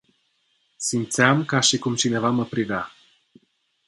Simteam ca si cum cineva ma privea.